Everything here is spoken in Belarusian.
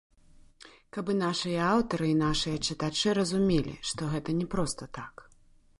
Каб і нашыя аўтары, і нашыя чытачы разумелі, што гэта не проста так.